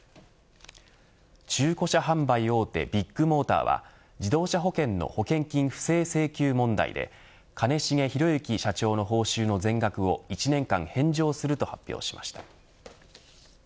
中古車販売大手ビッグモーターは自動車保険の保険金不正請求問題で兼重宏行社長の報酬の全額を１年間返上すると発表しました。